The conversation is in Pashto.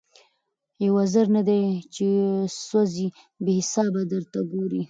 یو وزر نه دی چي سوځي بې حسابه درته ګوري